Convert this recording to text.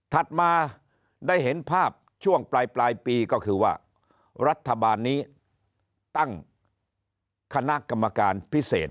มาได้เห็นภาพช่วงปลายปีก็คือว่ารัฐบาลนี้ตั้งคณะกรรมการพิเศษ